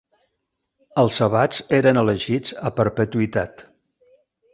Els abats eren elegits a perpetuïtat.